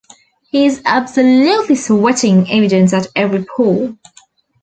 He's absolutely sweating evidence at every pore.